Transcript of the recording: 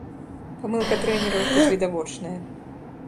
Памылка трэнераў тут відавочная.